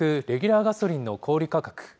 レギュラーガソリンの小売り価格。